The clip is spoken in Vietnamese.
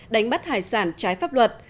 đánh bắt hải sản trái pháp luật